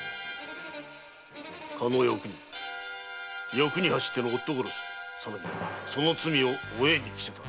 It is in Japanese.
欲に走っての夫殺しさらにはその罪をお栄に着せた。